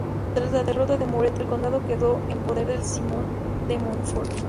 Tras la derrota de Muret el condado quedó en poder de Simón de Montfort.